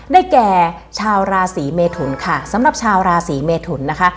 ได้แก่ชาวราศีเมทุนค่ะสำหรับชาวราศีเมทุนนะคะ